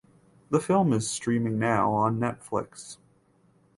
The film is streaming now on Netflix.